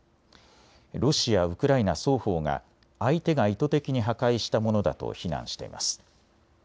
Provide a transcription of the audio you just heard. ロシア、ウクライナ双方が相手が意図的に破壊したものだと非難しています。